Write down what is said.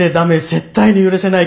絶対に許さない。